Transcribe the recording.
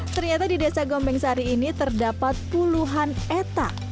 ternyata di desa gombengsari ini terdapat puluhan eta